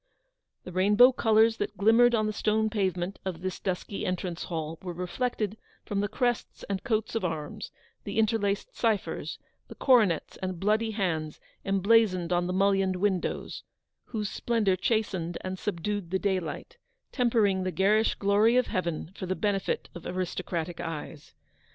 The rainbow colours that glimmered on the stone pavement of this dusky entrance hall were reflected from the crests and coats of arms, the interlaced ciphers, the coronets and bloody hands, emblazoned on the mullioned windows, whose splendour chastened and subdued the daylight; tempering the garish glory of heaven for the benefit of aristocratic eyes.